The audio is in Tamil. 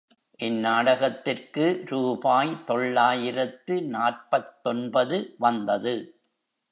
இந்நாடகத்திற்கு ரூபாய் தொள்ளாயிரத்து நாற்பத்தொன்பது வந்தது.